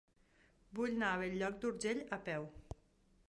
Vull anar a Bell-lloc d'Urgell a peu.